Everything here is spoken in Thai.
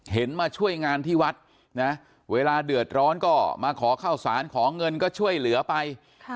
มาช่วยงานที่วัดนะเวลาเดือดร้อนก็มาขอข้าวสารขอเงินก็ช่วยเหลือไป